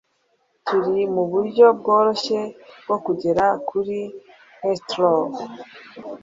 Turi muburyo bworoshye bwo kugera kuri Heathrow.